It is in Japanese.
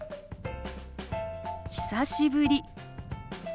久しぶり。